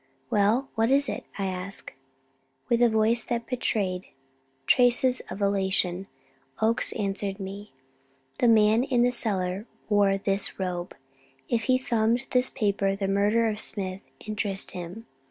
"Well, what is it?" I asked. With a voice that betrayed traces of elation, Oakes answered me: "The man in the cellar wore this robe; if he thumbed this paper, the murder of Smith interested him.